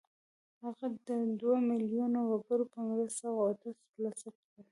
هغه د دوه ميليونه وګړو په مرسته قدرت ترلاسه کړ.